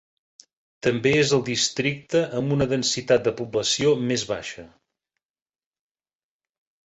També és el districte amb una densitat de població més baixa.